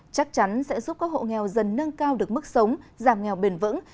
chắc chắn sẽ giúp các hộ nghèo dần nâng cao được mức sống giảm nghèo bền vững